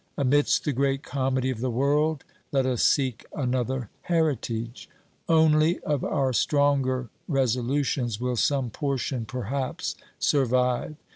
Amidst the great comedy of the world, let us seek another heritage ; only of our stronger resolutions will some portion perhaps survive.